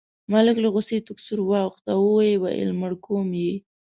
ملک له غوسې تک سور واوښت او وویل مړ کوم یې.